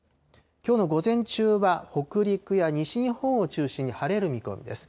きょうの午前中は、北陸や西日本を中心に晴れる見込みです。